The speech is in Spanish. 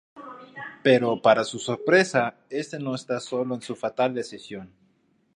Pero para su sorpresa, este no está solo en su fatal decisión.